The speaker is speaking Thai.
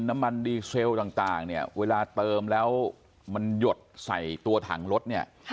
น้ำมันดีเซลต่างเนี่ยเวลาเติมแล้วมันหยดใส่ตัวถังรถเนี่ย